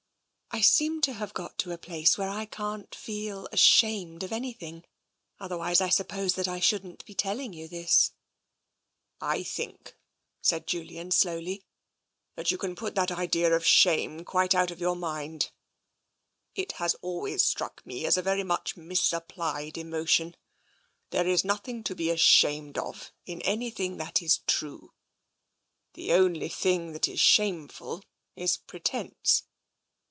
" I seem to have got to a place where I can't feel ashamed of anything — otherwise I suppose that I shouldn't be telling you this." " I think," said Julian slowly, " that you can put that idea of shame quite out of your mind. It has always struck me as a very much misapplied emotion. There is nothing to be ashamed of in anything that is true. The only thing that is shameful is pretence.